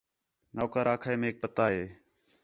نوکر آکھا ہِے میک پتہ ہِے